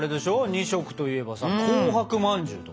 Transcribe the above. ２色といえばさ紅白まんじゅうとかさ。